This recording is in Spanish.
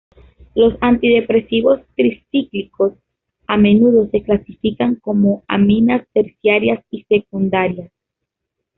Los antidepresivos tricíclicos a menudo se clasifican como aminas terciarias y secundarias.